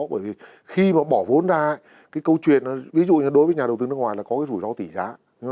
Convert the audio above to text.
bởi vì khi mà bỏ vốn ra cái câu chuyện nó ví dụ như đối với nhà đầu tư nước ngoài là có cái rủi ro tỷ giá